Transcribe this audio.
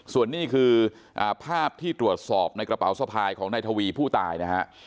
ส่วนนี้คือภาพที่ตรวจสอบในกระเป๋าสะพายของนายทวีผู้ตายนะฮะ